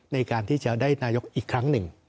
ในการที่จะได้นายกอีกครั้งหนึ่ง